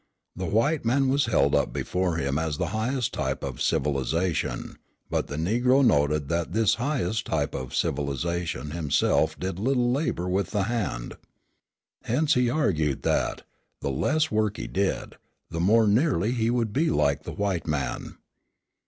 The white man was held up before him as the highest type of civilisation, but the Negro noted that this highest type of civilisation himself did little labour with the hand. Hence he argued that, the less work he did, the more nearly he would be like the white man.